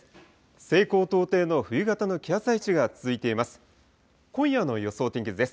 西高東低の冬型の気圧配置が続いています。